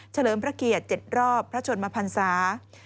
เลิมพระเกียรติ๗รอบพระชนมพันศา